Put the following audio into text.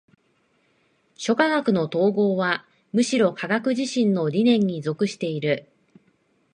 諸科学の綜合はむしろ科学自身の理念に属している。